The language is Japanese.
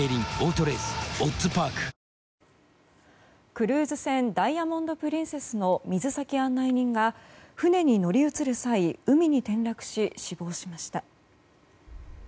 クルーズ船「ダイヤモンド・プリンセス」の水先案内人が船に乗り移る際海に転落し、死亡しました。